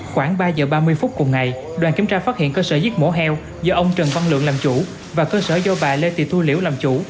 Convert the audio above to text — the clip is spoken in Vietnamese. khoảng ba giờ ba mươi phút cùng ngày đoàn kiểm tra phát hiện cơ sở giết mổ heo do ông trần văn lượng làm chủ và cơ sở do bà lê thị thu liễu làm chủ